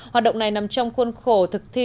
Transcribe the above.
hoạt động này nằm trong khuôn khổ thực thi